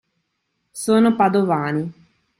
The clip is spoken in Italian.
Sono Padovani.